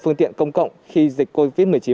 phương tiện công cộng khi dịch covid một mươi chín